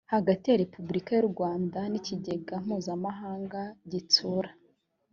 hagati ya repubulika y u rwanda n ikigega mpuzamahanga gitsura